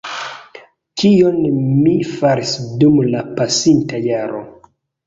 kion mi faris dum la pasinta jaro.